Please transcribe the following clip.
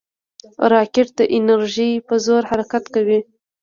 راکټ د انرژۍ په زور حرکت کوي